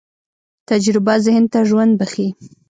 تجربه ذهن ته ژوند بښي.